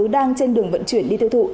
đang trên đường vận chuyển đi tiêu thụ